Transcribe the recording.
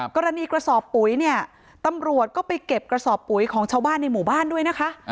กระสอบปุ๋ยเนี่ยตำรวจก็ไปเก็บกระสอบปุ๋ยของชาวบ้านในหมู่บ้านด้วยนะคะ